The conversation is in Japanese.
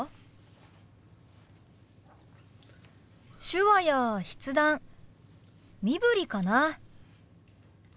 手話や筆談身振りかな。